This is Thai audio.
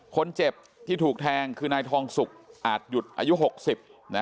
คนเจ็บที่ถูกแทงคือนายทองสุกอาจหยุดอายุ๖๐นะ